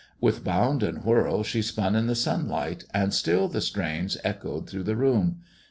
With bound and whirl she spun in THE dwarf's chamber 61 the sunlight, and still the strains echoed through the room.